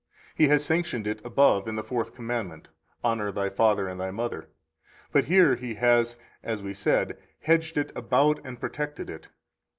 He has sanctioned it above in the Fourth Commandment: Honor thy father and thy mother; but here He has (as we said) hedged it about and protected it.